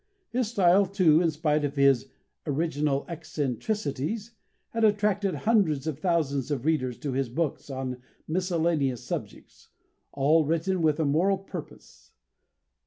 His style, too, in spite of his "original eccentricities," had attracted hundreds of thousands of readers to his books on miscellaneous subjects all written with a moral purpose.